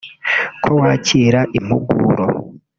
ko wakira impuguro